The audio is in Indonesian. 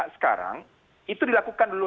sekarang itu dilakukan dulu